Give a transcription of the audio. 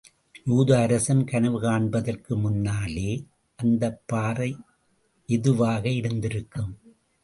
யூத அரசன் கனவு காண்பதற்கு முன்னாலே அந்தப்பாறை எதுவாக இருந்திருக்கும்?